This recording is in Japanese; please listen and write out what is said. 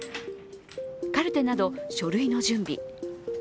カルテなど書類の準備。